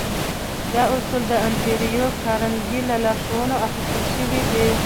دا اصول د انډريو کارنګي له لارښوونو اخيستل شوي دي.